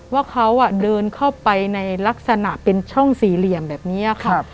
ว่าเขาเดินเข้าไปในลักษณะเป็นช่องสี่เหลี่ยมแบบนี้ค่ะ